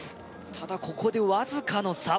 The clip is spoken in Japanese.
ただここでわずかの差